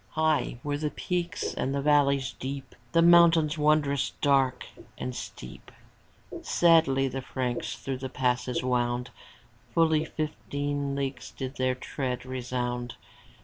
High were the peaks and the valleys deep. The mountains wondrous dark and steep; Sadly the Franks through the passes wound; Fully fifteen leagues did their tread resound.